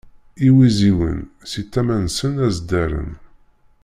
Iwiziwen si tama-nsen ad as-d-rren.